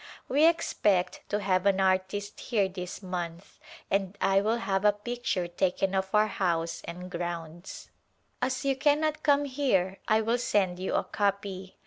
We expect to have an artist here this month and I will have a picture taken of our house and grounds. A Glimpse of India As you cannot come here I will send you a copy.